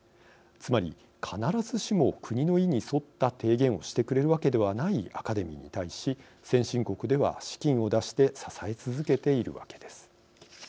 つまり、必ずしも国の意に沿った提言をしてくれるわけではないアカデミーに対し先進国では資金を出して支え続けているわけです。